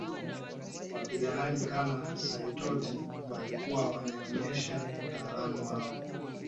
Wapiganaji kama Saitoti walikuwa wameonyesha utaalam wao